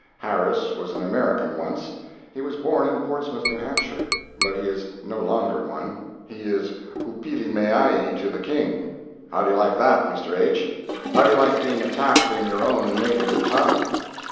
Harris was an American once (he was born in Portsmouth, N. H.), but he is no longer one. He is hoopilimeaai to the King. How do you like that, Mr. H.? How do you like being attacked in your own native tongue?